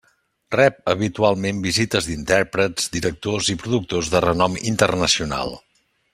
Rep habitualment visites d'intèrprets, directors i productors de renom internacional.